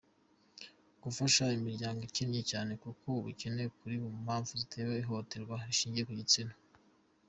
Gufasha imiryango ikenye cyane kuko ubukene buri mu mpamvu zitera ihohoterwa rishingiye ku gitsina.